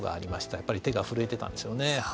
やっぱり手が震えていたんでしょうね。